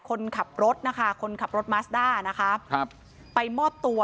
คนขับรถนะคะคนขับรถมัสด้านะคะครับไปมอบตัว